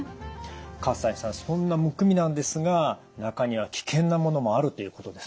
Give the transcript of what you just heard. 西さんそんなむくみなんですが中には危険なものもあるということですね？